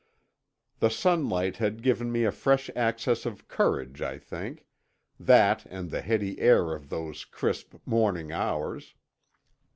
The sunlight had given me a fresh access of courage, I think—that and the heady air of those crisp morning hours.